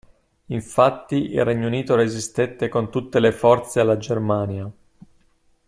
Infatti il Regno Unito resistette con tutte le forze alla Germania.